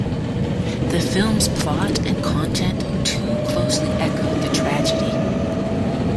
The film's plot and content too closely echoed the tragedy.